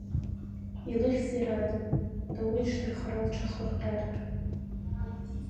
Илыхьзеи Радоу, Даур иҽҭархара лҽахлырҟьартә?